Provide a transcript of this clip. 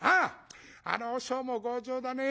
あの和尚も強情だねえ。